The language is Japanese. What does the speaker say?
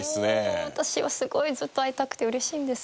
もう私はすごいずっと会いたくて嬉しいんです。